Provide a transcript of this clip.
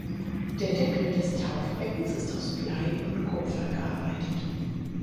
Der Deckel des Taufbeckens ist aus Blei und Kupfer gearbeitet.